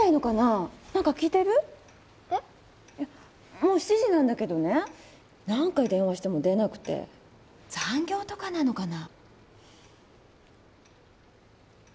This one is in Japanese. もう７時なんだけどね何回電話しても出なくて残業とかなのかな？